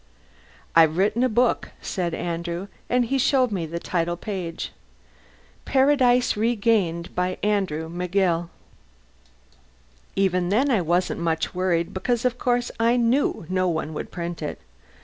"I've written a book," said Andrew, and he showed me the title page PARADISE REGAINED BY ANDREW McGILL Even then I wasn't much worried, because of course I knew no one would print it.